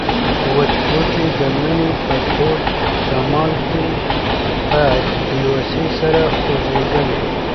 وچ بوټي د مني په تود شمال کې په بې وسۍ سره خوځېدل.